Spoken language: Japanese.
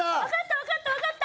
わかったわかった！